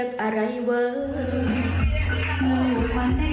มันรู้ว่าในเวิร์ดออก